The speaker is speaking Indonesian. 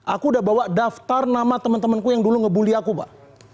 aku udah bawa daftar nama teman temanku yang dulu ngebully aku pak